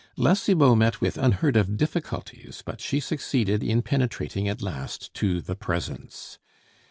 La Cibot met with unheard of difficulties, but she succeeded in penetrating at last to the presence.